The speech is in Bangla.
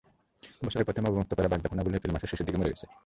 বছরের প্রথমে অবমুক্ত করা বাগদা পোনাগুলো এপ্রিল মাসের শেষের দিকে মরে গেছে।